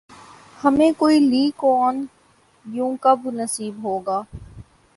ہمیں کوئی لی کوآن یو کب نصیب ہوگا؟